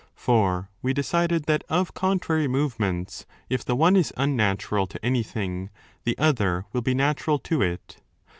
For we decided that of contrary movements, if the one is unnatural to any thing, the other will be natural to it.